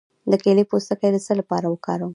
د کیلې پوستکی د څه لپاره وکاروم؟